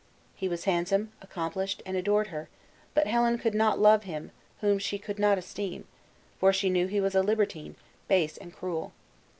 He was handsome, accomplished, and adored her; but Helen could not love him whom she could not esteem, for she knew he was libertine, base and cruel.